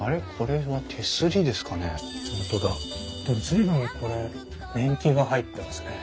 随分これ年季が入ってますね。